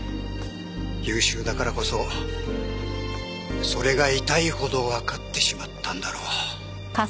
優秀だからこそそれが痛いほどわかってしまったんだろう。